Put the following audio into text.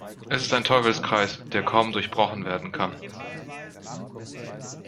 Es ist ein Teufelskreis, der kaum durchbrochen werden kann.